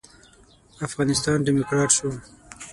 افغانستان ډيموکرات شو.